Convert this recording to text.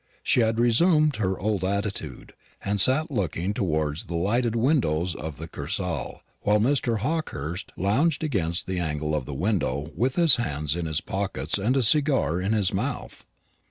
She had resumed her old attitude, and sat looking towards the lighted windows of the Kursaal, while Mr. Hawkehurst lounged against the angle of the window with his hands in his pockets and a cigar in his mouth.